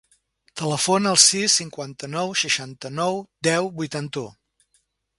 Telefona al sis, cinquanta-nou, seixanta-nou, deu, vuitanta-u.